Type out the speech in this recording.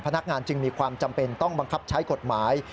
จึงมีความจำเป็นต้องบังคับใช้กฎหมาย